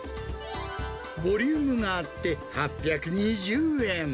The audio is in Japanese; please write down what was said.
ボリュームがあって、８２０円。